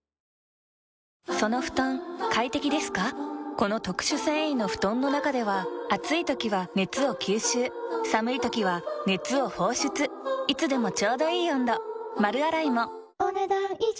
この特殊繊維の布団の中では暑い時は熱を吸収寒い時は熱を放出いつでもちょうどいい温度丸洗いもお、ねだん以上。